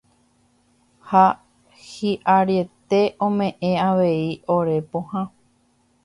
Ha hi'ariete ome'ẽ avei oréve pohã.